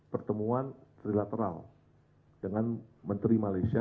pertemuan trilateral dengan menteri malaysia